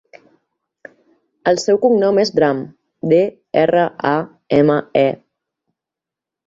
El seu cognom és Drame: de, erra, a, ema, e.